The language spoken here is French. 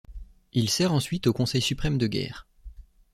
Il sert ensuite au conseil suprême de guerre.